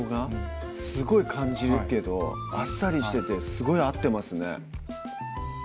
すごい感じるけどあっさりしててすごい合ってますね